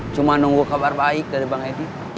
cuma nunggu kabar baik dari bang edi